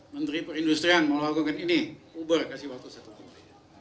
menteri perindustrian mau lakukan ini uber kasih waktu satu tahun